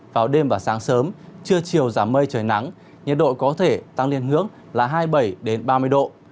vào đêm và sáng sớm trưa chiều giảm mây trời nắng nhà độ có thể tăng lên ngưỡng hai mươi bảy ba mươi độ